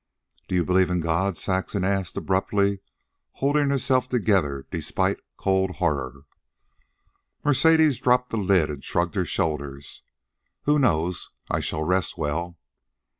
"Do you believe in God?" Saxon asked abruptly, holding herself together despite cold horror. Mercedes dropped the lid and shrugged her shoulders. "Who knows? I shall rest well."